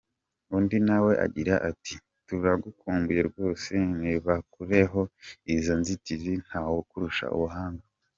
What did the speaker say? Undi nawe agira ati “Turagukumbuye rwose nibakureho izo nzitizi ntawukurusha ubuhanga.